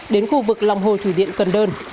đến khu vực lòng hồ thủy điện cần đơn